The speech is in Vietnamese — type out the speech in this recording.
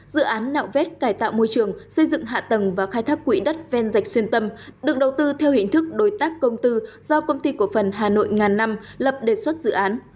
dự án nạo vét cải tạo môi trường xây dựng hạ tầng và khai thác quỹ đất ven rạch xuyên tâm được đầu tư theo hình thức đối tác công tư do công ty cổ phần hà nội ngàn năm lập đề xuất dự án